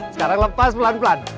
sekarang lepas pelan pelan